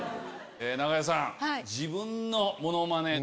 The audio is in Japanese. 長屋さん。